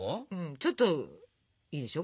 ちょっといいでしょ？